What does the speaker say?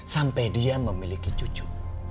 sampai dia memiliki cucu